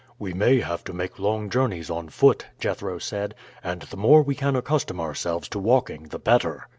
"We may have to make long journeys on foot," Jethro said, "and the more we can accustom ourselves to walking the better."